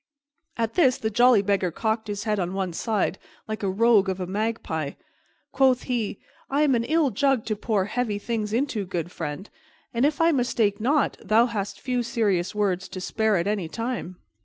At this the jolly Beggar cocked his head on one side, like a rogue of a magpie. Quoth he, "I am an ill jug to pour heavy things into, good friend, and, if I mistake not, thou hast few serious words to spare at any time."